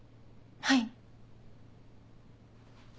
はい。